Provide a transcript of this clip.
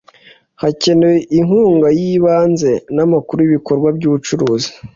hakenewe inkunga y’ibanze n’amakuru y’ibikorwa by ‘ubucuruzi